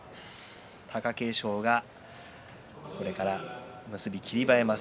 貴景勝はこれから結び霧馬山戦。